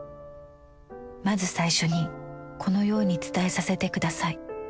まず最初にこのようにつたえさせてください。